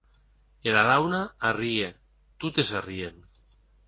Era dauna arrie; totes arrien.